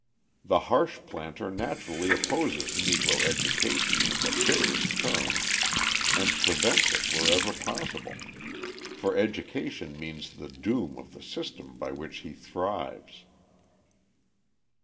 The harsh planter naturally opposes Negro education in the bitterest terms and prevents it wherever possible; for education means the doom of the system by which he thrives.